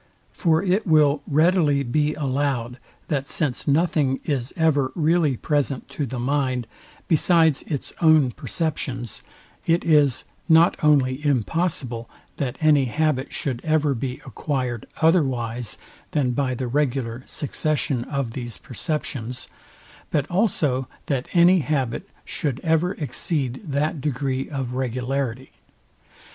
For it will readily be allowed, that since nothing is ever really present to the mind, besides its own perceptions, it is not only impossible, that any habit should ever be acquired otherwise than by the regular succession of these perceptions, but also that any habit should ever exceed that degree of regularity.